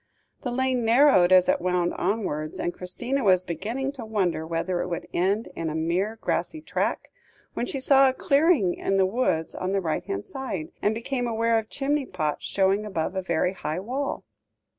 The lane narrowed as it wound onwards, and Christina was beginning to wonder whether it would end in a mere grassy track, when she saw a clearing in the woods on the right hand side, and became aware of chimney pots showing above a very high wall.